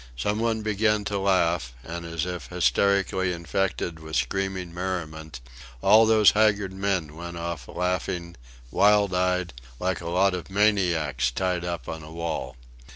Some one began to laugh, and, as if hysterically infected with screaming merriment, all those haggard men went off laughing, wild eyed, like a lot of maniacs tied up on a wall.